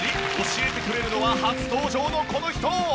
教えてくれるのは初登場のこの人。